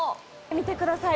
見てください。